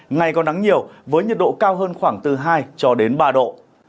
ngày có nắng nhiều với nhiệt độ cao hơn khoảng từ hai cho đến ba độ